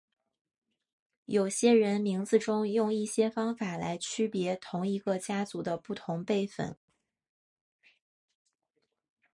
有些人名字中用一些方法来区别同一个家族的不同辈分。